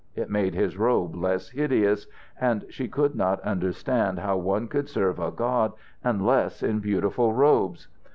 It made his robe less hideous, and she could not understand how one could serve a god unless in beautiful robes.